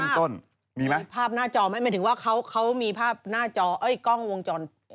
ต้นมีไหมภาพหน้าจอไหมหมายถึงว่าเขามีภาพหน้าจอเอ้ยกล้องวงจร